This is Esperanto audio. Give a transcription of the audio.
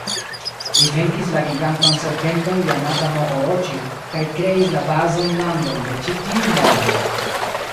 Li venkis la gigantan serpenton Jamata-no-Oroĉi kaj kreis la bazan landon de ĉi-tiu mondo.